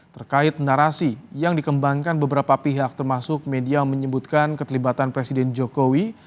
terkait narasi yang dikembangkan beberapa pihak termasuk media menyebutkan keterlibatan presiden jokowi